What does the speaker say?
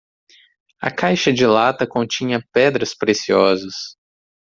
A caixa de lata continha pedras preciosas.